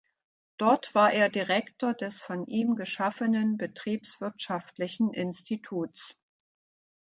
Dort war er Direktor des von ihm geschaffenen betriebswirtschaftlichen Instituts.